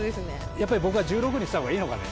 やっぱり僕は１６にしたほうがいいのかね？